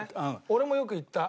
俺もよく行った。